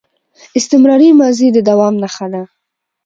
استمراري ماضي د دوام نخښه ده.